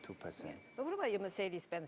tapi bagaimana dengan truk mercedes benz